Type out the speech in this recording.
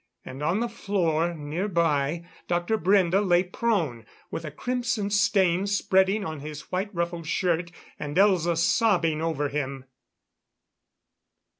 And on the floor nearby Dr. Brende lay prone, with a crimson stain spreading on his white ruffled shirt, and Elza sobbing over him.